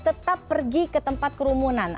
tetap pergi ke tempat kerumunan